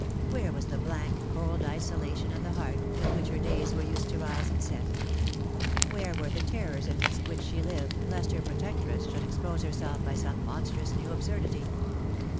Where was the blank, cold isolation of the heart, with which her days were used to rise and set ? Where were the terrors amidst which she lived, lest Her protectress should expose herself by some monstrous, nev* &\*mxdity